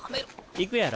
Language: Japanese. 行くやろ？